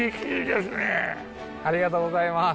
ありがとうございます。